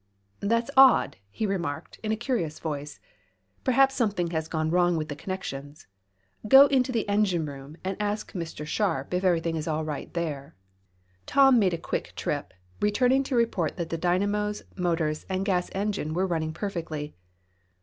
"That's odd," he remarked in a curious voice "Perhaps something has gone wrong with the connections. Go look in the engine room, and ask Mr. Sharp if everything is all right there." Tom made a quick trip, returning to report that the dynamos, motors and gas engine were running perfectly.